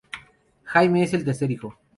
Jamie es el tercer hijo.